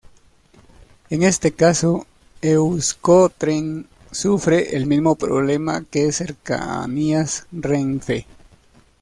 En este caso, Euskotren sufre el mismo problema que Cercanías Renfe.